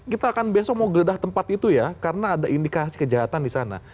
kita akan besok mau geledah tempat itu ya karena ada indikasi kejahatan di sana